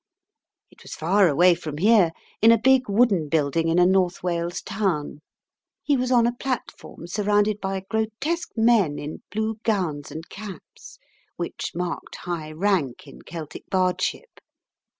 It was far away from here, in a big wooden building in a North Wales town. He was on a platform surrounded by grotesque men in blue gowns and caps, which marked high rank in Celtic bardship.